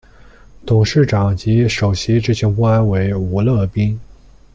董事长及首席执行官为吴乐斌。